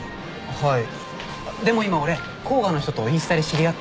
はい。